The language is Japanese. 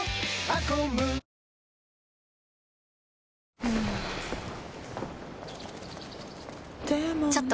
あっ。